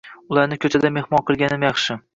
Ularni koʻchada mehmon qilganim yaxshi.